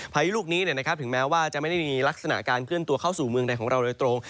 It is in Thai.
พายุลูกนี้ถึงแม้ว่าจะไม่ได้มีลักษณะการเคลื่อนตัวเข้าสู่เมืองใดของเราโดยตรง